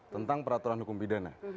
tentang peraturan hukum pidana